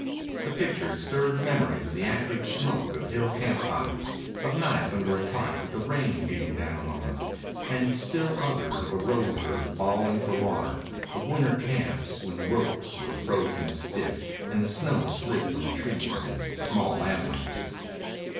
The pictures stirred memories of the acrid smoke of hill camp fires, of nights under a tarp with the rain beating down on him, and still others of a road herd bawling for water, of winter camps when the ropes were frozen stiff and the snow slid from trees in small avalanches.